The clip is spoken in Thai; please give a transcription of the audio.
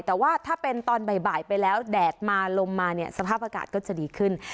แต่ว่าถ้าเป็นตอนบ่ายไปแล้วแดดมาลมมาเนี่ยสภาพอากาศก็จะดีขึ้น